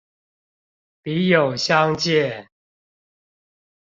筆友相見